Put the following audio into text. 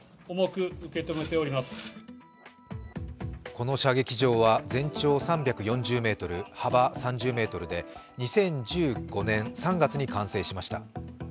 この射撃場は全長３４０ｍ、幅３０ｍで２０１５年３月に完成しました。